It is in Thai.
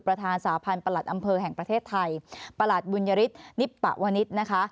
ประธานสาพันธ์ประหลัดอำเภอแห่งประเทศไทยประหลัดบุญยฤทธนิปปะวนิษฐ์นะคะ